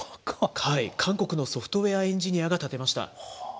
韓国のソフトウェアエンジニアが建てました。